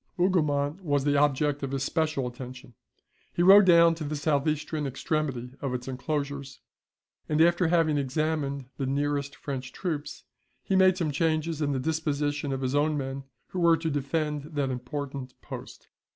Hougoumont was the object of his special attention. He rode down to the south eastern extremity of its enclosures, and after having examined the nearest French troops, he made some changes in the disposition of his own men, who were to defend that important post.